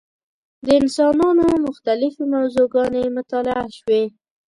د انسانانو مختلفې موضوع ګانې مطالعه شوې.